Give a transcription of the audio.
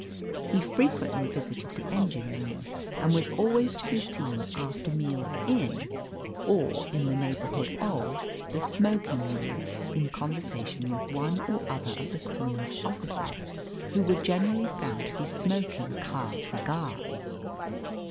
He frequently visited the engine room, and was always to be seen after meals in, or in the neighbourhood of, the smoking room, in conversation with one or other of the Croonah's officers, who were generally found to be smoking Carr's cigars.